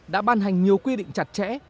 đã ban hành nhiều quy định chặt chẽ